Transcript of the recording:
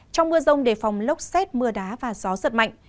trong mưa rông đề phòng lốc xét mưa đá và gió giật mạnh